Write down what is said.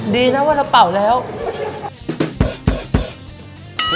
ดีแล้วว่าจะเปล่าเลยค่ะ